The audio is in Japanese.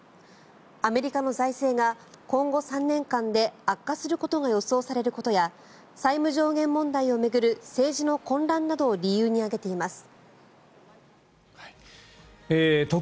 アメリカの財政が今後３年間で悪化することが予想されることや債務上限問題を巡る政治の混乱などを理由に挙げています。